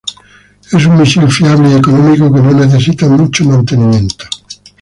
Es un misil fiable y económico, que no necesita mucho mantenimiento.